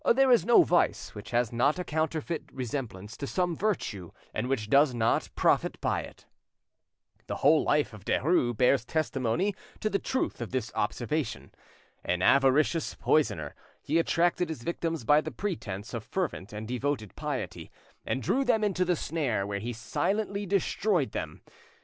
There is no vice which has not a counterfeit resemblance to some virtue, and which does not profit by it." The whole life of Derues bears testimony to the truth of this observation. An avaricious poisoner, he attracted his victims by the pretence of fervent and devoted piety, and drew them into the snare where he silently destroyed them.